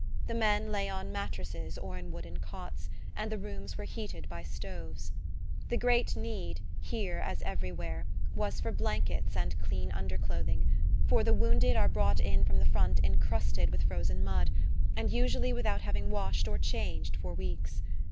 The men lay on mattresses or in wooden cots, and the rooms were heated by stoves. The great need, here as everywhere, was for blankets and clean underclothing; for the wounded are brought in from the front encrusted with frozen mud, and usually without having washed or changed for weeks.